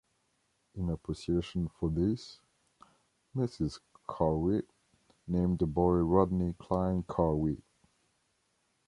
In appreciation for this, Mrs. Carew named the boy Rodney Cline Carew.